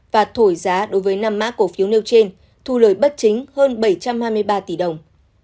và thổi giá đối với năm mã cổ phiếu nêu trên thu lời bất chính hơn bảy trăm hai mươi ba tỷ đồng